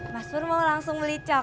mas bur mau langsung beli coklat